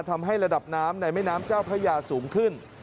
ทำให้ระดับน้ำในแม่น้ำเจ้าพระยาสูงขึ้น